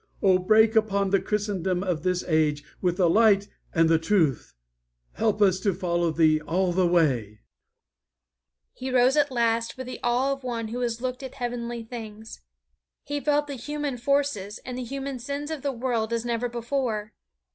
Oh, break upon the Christendom of this age with the light and the truth! Help us to follow Thee all the way!" He rose at last with the awe of one who has looked at heavenly things. He felt the human forces and the human sins of the world as never before.